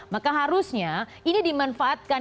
maka harusnya ini dimanfaatkan